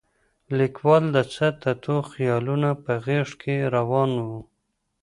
لیکوال د څه تتو خیالونه په غېږ کې راون و.